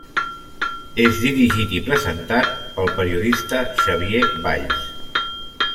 És dirigit i presentat pel periodista Xavier Valls.